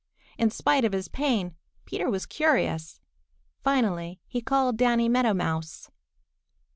In spite of his pain, Peter was curious. Finally he called Danny Meadow Mouse.